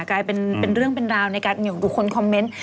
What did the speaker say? กลายเป็นเรื่องเป็นราวในการดูคนคอมเมนต์